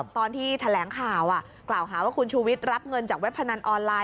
ตอนที่แถลงข่าวกล่าวหาว่าคุณชูวิทย์รับเงินจากเว็บพนันออนไลน